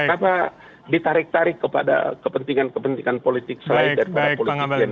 apa ditarik tarik kepada kepentingan kepentingan politik selain dari politik yang